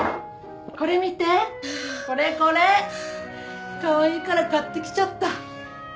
これ見てこれこれ。カワイイから買ってきちゃった。